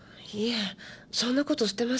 そんな事してません。